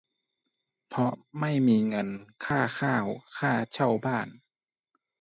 เพราะไม่มีเงินค่าข้าว ค่าเช่าบ้าน